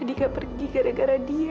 ketika pergi gara gara dia